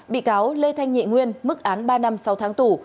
bị cáo lê thanh nhị nguyên mức án ba năm sáu tháng tù